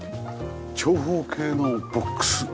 長方形のボックス。